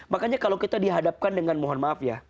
makanya kalau kita dihadapkan dengan mohon maaf ya